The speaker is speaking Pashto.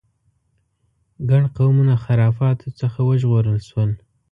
ګڼ قومونه خرافاتو څخه وژغورل شول.